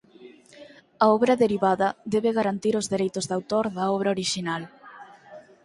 A obra derivada debe garantir os dereitos de autor da obra orixinal.